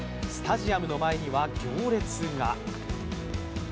スタジアムの前には行列が。